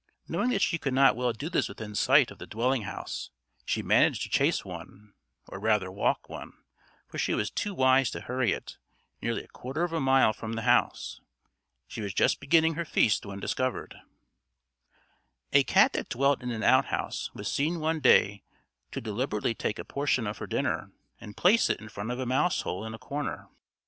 Knowing that she could not well do this within sight of the dwelling house, she managed to chase one, or rather walk one, for she was too wise to hurry it, nearly a quarter of a mile from the house. She was just beginning her feast when discovered. A cat that dwelt in an outhouse, was seen one day to deliberately take a portion of her dinner, and place it in front of a mouse hole in a corner.